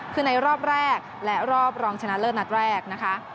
คือในรอบแรกและรอบรองชนะเลิศนัดแรกนะคะ